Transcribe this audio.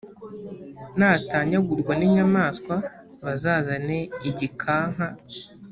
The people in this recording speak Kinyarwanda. natanyagurwa n’inyamaswa bazazane igikanka